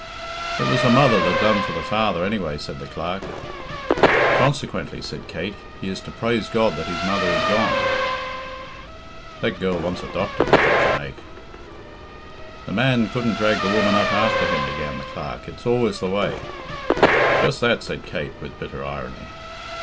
"It was the mother that done for the father, anyway," said the clerk. "Consequently," said Kate, "he is to praise God that his mother is gone!" "That girl wants a doctor," muttered Jonaique. "The man couldn't drag the woman up after him," began the clerk. "It's always the way " "Just that," said Kate, with bitter irony.